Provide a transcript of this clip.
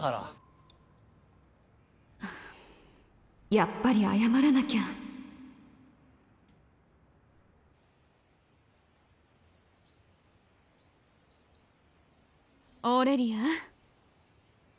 やっぱり謝らなきゃオーレリア